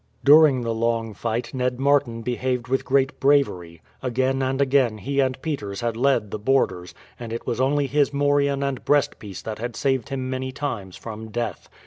During the long fight Ned Martin behaved with great bravery. Again and again he and Peters had led the boarders, and it was only his morion and breast piece that had saved him many times from death.